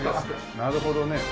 なるほどね。